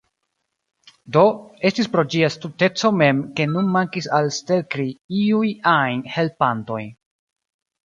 Do, estis pro ĝia stulteco mem ke nun mankis al Stelkri iuj ajn helpantoj.